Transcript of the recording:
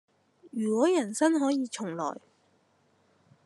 如果人生重來